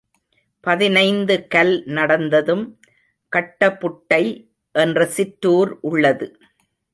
பதினைந்து கல் கடந்ததும் கட்டபுட்டை என்ற சிற்றூர் உள்ளது.